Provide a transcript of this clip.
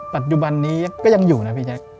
ปัจจุบันนี้ก็ยังอยู่นะพี่แจ๊ค